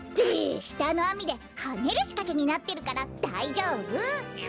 したのあみではねるしかけになってるからだいじょうぶ！